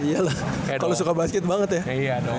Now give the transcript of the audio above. iya lah kalau suka basket banget ya